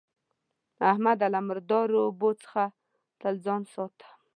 احمده! له مردارو اوبو څخه تل ځان ساته.